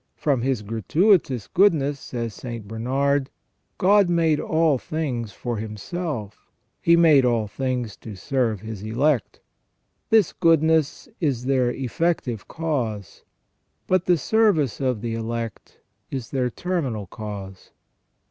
" From His gratuitous goodness," says St. Bernard, " God made all things for Himself; He made all things to serve His elect. This goodness is their effective cause ; but the service of the elect is their terminal cause.''